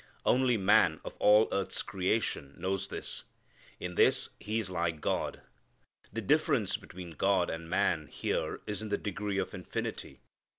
Only man of all earth's creation knows this. In this he is like God. The difference between God and man here is in the degree of infinity.